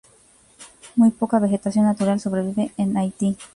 Muy poca vegetación natural sobrevive en Haití.